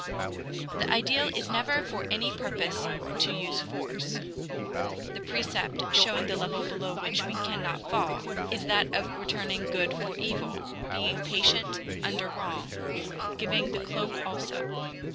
The ideal is never for any purpose to use force. The precept, showing the level below which we cannot fall is that of returning good for evil, being patient under wrong, giving the cloak also.